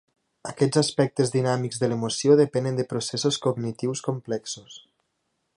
Aquests aspectes dinàmics de l'emoció depenen de processos cognitius complexos.